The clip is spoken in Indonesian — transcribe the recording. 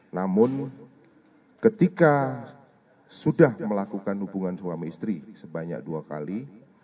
namun ketika sudah melakukan hubungan suami istri sebanyak dua kali